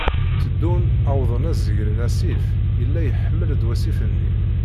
Teddun, wḍen ad zegren asif, yella iḥmel-d wasif-nni.